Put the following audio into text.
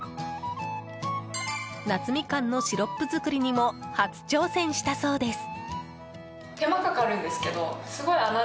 夏みかんのシロップ作りにも初挑戦したそうです。